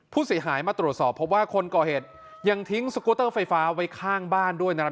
ผู้เสียหายมาตรวจสอบพบว่าคนก่อเหตุยังทิ้งสกูเตอร์ไฟฟ้าไว้ข้างบ้านด้วยนะครับ